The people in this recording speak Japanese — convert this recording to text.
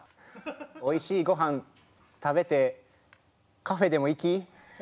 おいしいご飯食べてカフェでも行き。